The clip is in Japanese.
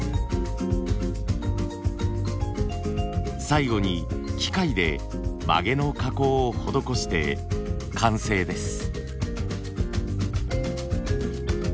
最後に機械で曲げの加工を施して完成です。